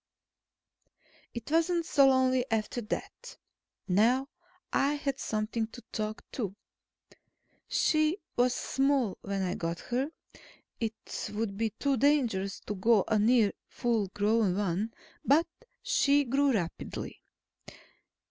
It wasn't so lonely after that. Now I had something to talk to. She was small when I got her it would be too dangerous to go near a full grown one but she grew rapidly.